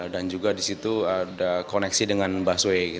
dan juga di situ ada koneksi dengan busway